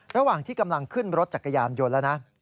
ระหว่างที่กำลังขึ้นรถจักรยานยนต์แล้วนะ